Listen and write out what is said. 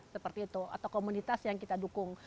seperti itu atau komunitas yang kita dukung